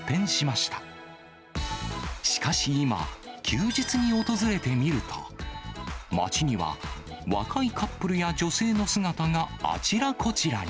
しかし今、休日に訪れてみると、街には若いカップルや女性の姿があちらこちらに。